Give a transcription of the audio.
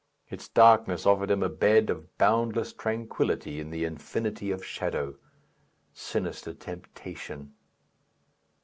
Its darkness offered him a bed of boundless tranquillity in the infinity of shadow. Sinister temptation!